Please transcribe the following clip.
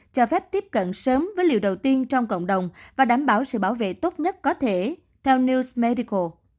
cho phép tiếp cận sớm với liều đầu tiên trong cộng đồng và đảm bảo sự bảo vệ tốt nhất có thể theo news medical